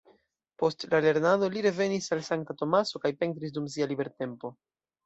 Post la lernado li revenis al Sankta Tomaso kaj pentris dum sia libertempo.